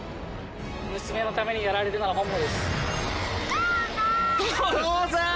娘のためにやられるなら本望です父さーん！